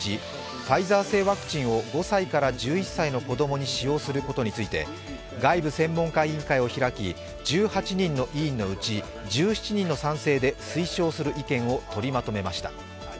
ファイザー製ワクチンを５歳から１１歳の子供に使用することについて外部専門家委員会を開き１８人の委員のうち１７人の賛成で推奨する意見を取りまとめました。